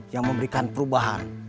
yang memberikan perubahan